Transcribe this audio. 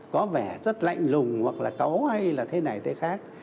có vẻ rất lạnh lùng hoặc là cấu hay là thế này thế khác